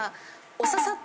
おささった！？